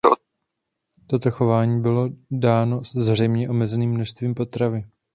Toto chování bylo dáno zřejmě omezeným množstvím potravy.